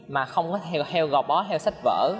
mà không có theo gò bó theo sách vở